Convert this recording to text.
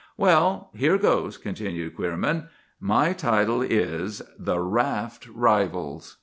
"Well, here goes," continued Queerman. "My title is— 'THE RAFT RIVALS.